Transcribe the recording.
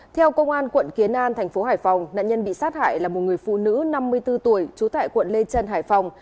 theo công an quận kiến an thành phố hải phòng nạn nhân bị sát hại là một người phụ nữ năm mươi bốn tuổi trú tại quận lê trân hải phòng